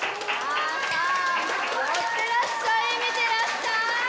よってらっしゃい、見てらっしゃい。